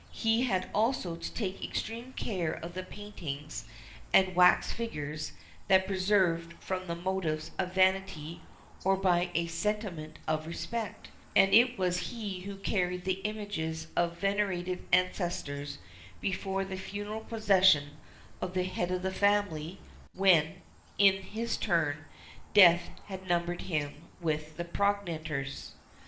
He had also to take extreme care of the paintings and wax figures there preserved from motives of vanity or by a sentiment of respect; and it was he who carried those images of venerated ancestors before the funeral procession of the head of the family when, in his turn, death had numbered him with his progenitors.